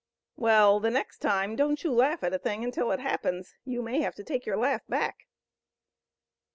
"Well, the next time, don't you laugh at a thing until it happens. You may have to take your laugh back."